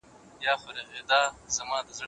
مثبت فکر د مثبتو بدلونونو لامل کیږي.